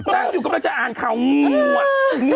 นั่งอยู่กำลังจะอ่านข่าวหมด